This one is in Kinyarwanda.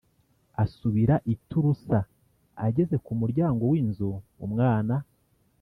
asubira i Tirusa ageze ku muryango w inzu umwana